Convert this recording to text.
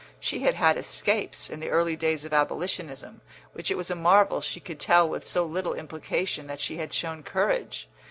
She had had escapes, in the early days of abolitionism, which it was a marvel she could tell with so little implication that she had shown courage.